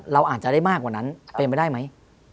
เราอาจจะได้มากกว่านั้นเป็นไปได้ไหม